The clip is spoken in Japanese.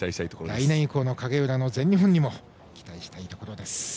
来年以降の影浦の全日本にも期待したいところです。